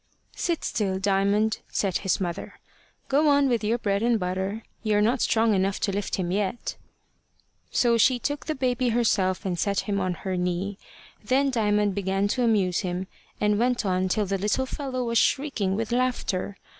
"Sit still, Diamond," said his mother. "Go on with your bread and butter. You're not strong enough to lift him yet." So she took the baby herself, and set him on her knee. Then Diamond began to amuse him, and went on till the little fellow was shrieking with laughter.